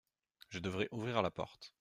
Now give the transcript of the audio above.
Je devrais ouvrir la porte.